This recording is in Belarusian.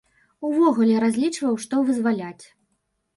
Увогуле разлічваў, што вызваляць.